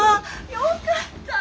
よかった。